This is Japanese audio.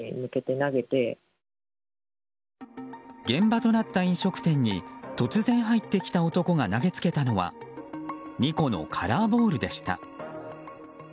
現場となった飲食店に突然入ってきた男が投げつけたのは２個のカラーボールでした。